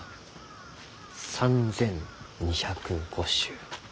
３，２０５種。